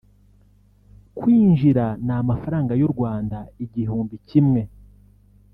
kwinjira ni amafaranga y’u Rwanda igihumbi kimwe